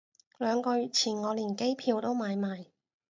兩個月前我連機票都買埋